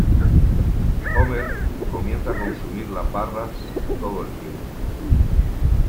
Homer comienza a consumir las barras todo el tiempo.